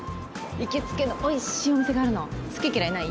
行きつけのおいしいお店があるの好き嫌いない？